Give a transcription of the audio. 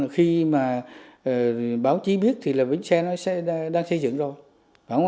khi mà báo chí biết thì là bến xe nó sẽ đang xây dựng rồi